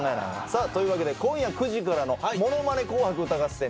さあというわけで今夜９時からの『ものまね紅白歌合戦』